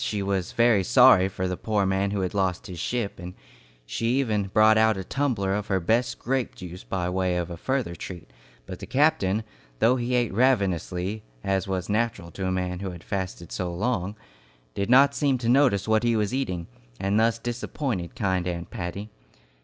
She was very sorry for the poor man who had lost his ship, and she even brought out a tumbler of her best grape jelly by way of a further treat; but the captain, though he ate ravenously, as was natural to a man who had fasted so long, did not seem to notice what he was eating, and thus disappointed kind Aunt Patty.